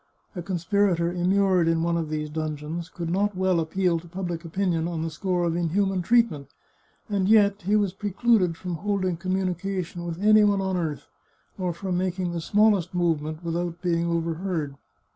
A conspirator immured in one of these dungeons could not well appeal to public opinion on the score of inhuman treat ment, and yet he was precluded from holding communica tion with any one on earth, or from making the smallest movement without being overheard.